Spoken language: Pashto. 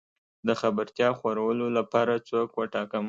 د خبرتيا خورولو لپاره څوک وټاکم؟